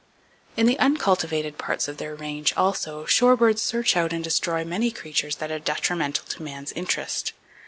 In the uncultivated parts of their range also, shorebirds search out and destroy many creatures that are detrimental to man's interest.